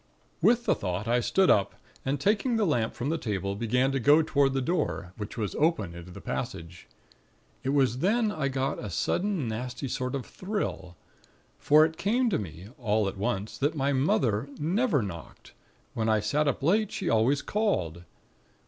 "With the thought, I stood up, and taking the lamp from the table, began to go toward the door, which was open into the passage. It was then I got a sudden nasty sort of thrill; for it came to me, all at once, that my mother never knocked, when I sat up too late; she always called.